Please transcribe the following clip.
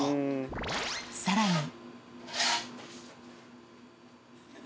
さらに。